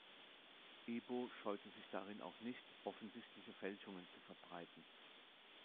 Ebo scheute sich darin auch nicht, offensichtliche Fälschungen zu verbreiten.